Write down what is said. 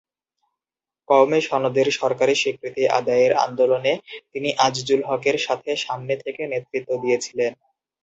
কওমি সনদের সরকারি স্বীকৃতি আদায়ের আন্দোলনে তিনি আজিজুল হকের সাথে সামনে থেকে নেতৃত্ব দিয়েছিলেন।